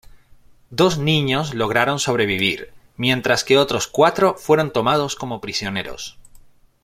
Dos niños lograron sobrevivir, mientras que otros cuatro fueron tomados como prisioneros.